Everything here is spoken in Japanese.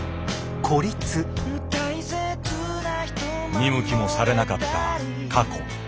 見向きもされなかった過去。